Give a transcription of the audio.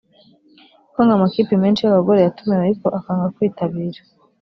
kuko ngo amakipe menshi y’abagore yatumiwe ariko akanga kwitabira